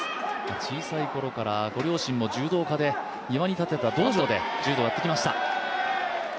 小さい頃からご両親も柔道家で庭に建てた道場で柔道をやってきました。